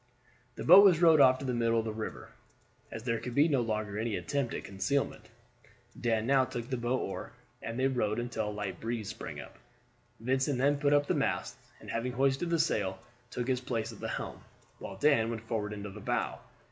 The boat was rowed off to the middle of the river, as there could be no longer any attempt at concealment. Dan now took the bow oar, and they rowed until a light breeze sprang up. Vincent then put up the mast, and, having hoisted the sail, took his place at the helm, while Dan went forward into the bow.